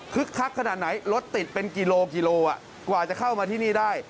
คักขนาดไหนรถติดเป็นกิโลกิโลกว่าจะเข้ามาที่นี่ได้